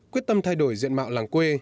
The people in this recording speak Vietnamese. quyết tâm thay đổi diện mạo làng quê